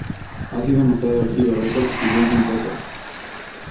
Ha sido mostrado a Jive Records y Virgin Records.